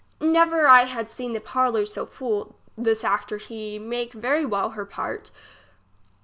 Never I had seen the parlour so full. This actor he make very well her part.